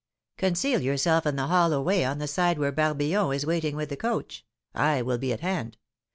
"Conceal yourself in the hollow way on the side where Barbillon is waiting with the coach. I will be at hand.